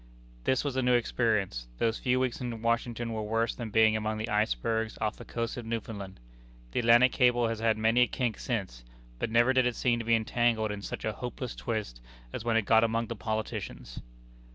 This was a new experience. Those few weeks in Washington were worse than being among the icebergs off the coast of Newfoundland. The Atlantic Cable has had many a kink since, but never did it seem to be entangled in such a hopeless twist as when it got among the politicians.